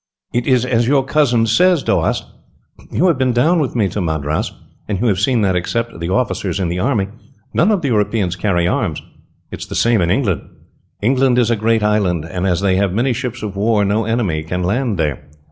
"It is as your cousin says, Doast. You have been down with me to Madras, and you have seen that, except the officers in the army, none of the Europeans carry arms. It is the same in England. England is a great island, and as they have many ships of war, no enemy can land there.